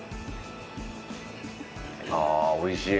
ああ、おいしい。